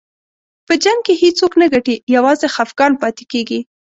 په جنګ کې هېڅوک نه ګټي، یوازې خفګان پاتې کېږي.